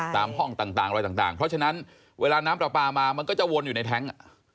ตามห้องต่างอะไรต่างเพราะฉะนั้นเวลาน้ำปลาปลามามันก็จะวนอยู่ในแท้ง